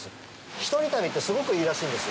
一人旅って、すごくいいらしいんですよ。